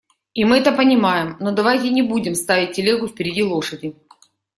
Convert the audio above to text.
И мы это понимаем, но давайте не будем ставить телегу впереди лошади.